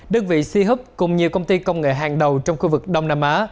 đơn vị c hub cùng nhiều công ty công nghệ hàng đầu trong khu vực đông nam á